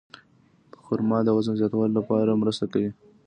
خرما د وزن زیاتولو لپاره مرسته کوي.